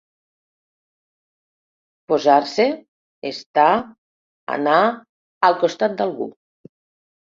Posar-se, estar, anar, al costat d'algú.